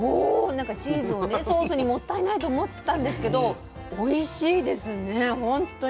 なんかチーズをねソースにもったいないと思ってたんですけどおいしいですねほんとに。